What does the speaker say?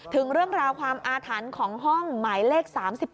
ถึงเรื่องราวความอาถรรพ์ของห้องหมายเลข๓๘